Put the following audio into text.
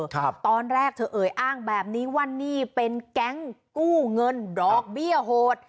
ตอนแรกเธอเอ่ยอ้างแบบนี้ว่านี่เป็นแก๊งกู้เงินดอกเบี้ยโหด